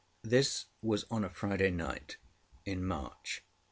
This was on a Friday night in March, 1812.